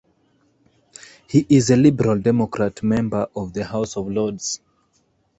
He is a Liberal Democrat member of the House of Lords.